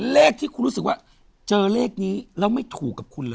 เลขที่คุณรู้สึกว่าเจอเลขนี้แล้วไม่ถูกกับคุณเลย